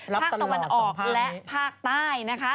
ภาคตะวันออกและภาคใต้นะคะ